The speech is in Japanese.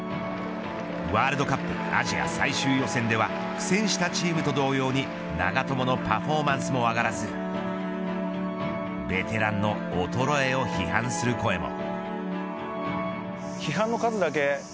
ワールドカップアジア最終予選では苦戦したチームと同様に長友のパフォーマンスも上がらずベテランの衰えを批判する声も。